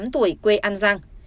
hai mươi tám tuổi quê an giang